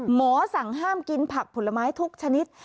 หมอสั่งห้ามกินผักผลไม้ทุกชนิด